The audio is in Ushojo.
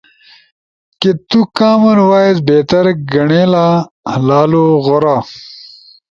کی تُو کامن وائس بہتر گنیڑلا؟ لالو غورا۔